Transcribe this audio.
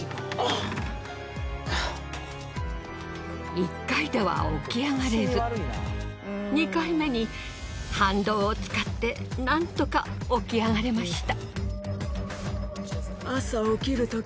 １回では起き上がれず２回目に反動を使ってなんとか起き上がれました。